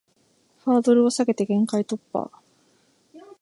ハードルを下げて限界突破